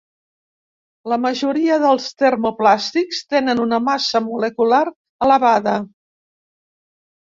La majoria dels termoplàstics tenen una massa molecular elevada.